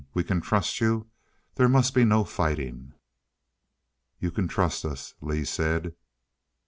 We can trust you there must be no fighting?" "You can trust us," Lee said.